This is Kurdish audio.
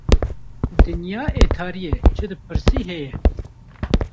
Dinya etariye çi dipirsî heye